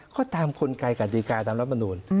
ก็ตามคนไกลกันดีการตามรัฐมนูล